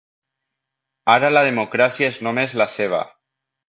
Ara la democràcia és només la seva.